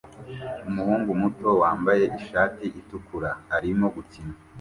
Umuhungu muto wambaye ishati itukura arimo gukina